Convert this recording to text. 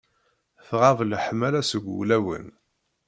Tɣab leḥmala seg wulawen.